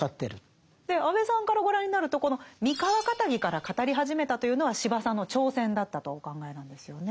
安部さんからご覧になるとこの三河かたぎから語り始めたというのは司馬さんの挑戦だったとお考えなんですよね。